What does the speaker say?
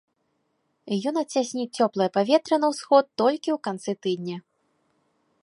Ён адцясніць цёплае паветра на ўсход толькі ў канцы тыдня.